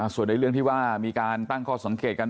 ส่วนในเรื่องที่ว่ามีการตั้งข้อสังเกตกัน